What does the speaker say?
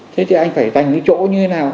thế thì anh phải dành cái chỗ như thế nào